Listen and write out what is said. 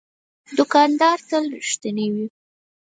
دوکاندار تل رښتینی وي.